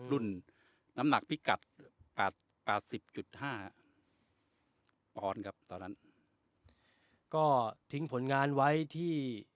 น้ำหนักพิกัดแปดแปดสิบจุดห้าปอนด์ครับตอนนั้นก็ทิ้งผลงานไว้ที่